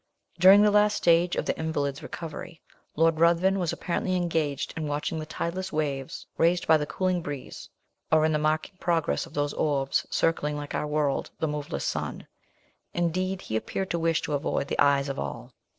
During the last stage of the invalid's recovery, Lord Ruthven was apparently engaged in watching the tideless waves raised by the cooling breeze, or in marking the progress of those orbs, circling, like our world, the moveless sun; indeed, he appeared to wish to avoid the eyes of all.